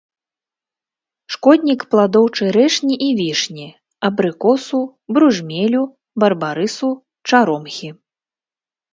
Шкоднік пладоў чарэшні і вішні, абрыкосу, бружмелю, барбарысу, чаромхі.